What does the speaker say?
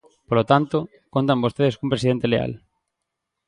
Polo tanto, contan vostedes cun presidente leal.